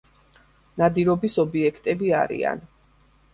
ნადირობის ობიექტები არიან.